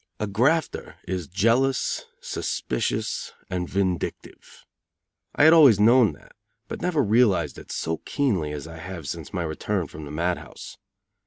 A grafter is jealous, suspicious and vindictive. I had always known that, but never realized it so keenly as I have since my return from the mad house.